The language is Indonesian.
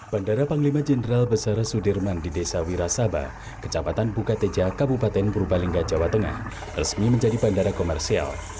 bandara panglima jenderal besar sudirman di desa wirasaba kecamatan bukateja kabupaten purbalingga jawa tengah resmi menjadi bandara komersial